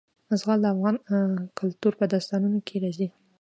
زغال د افغان کلتور په داستانونو کې راځي.